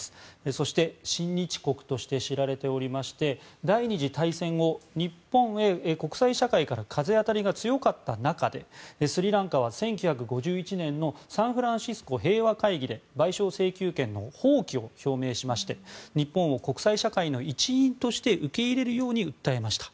そして、親日国として知られておりまして第２次大戦後日本が、国際社会から風当たりが強かった中でスリランカは１９５１年のサンフランシスコ平和会議で賠償請求権の放棄を表明しまして日本を国際社会の一員として受け入れるように訴えました。